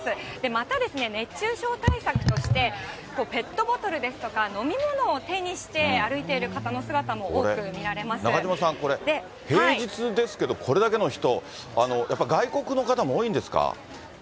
また、熱中症対策として、ペットボトルですとか、飲み物を手にして歩い中島さん、これ、平日ですけどこれだけの人、やっぱり外国の方も多いんですか？